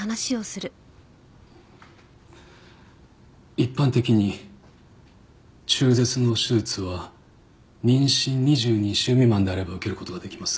一般的に中絶の手術は妊娠２２週未満であれば受ける事ができます。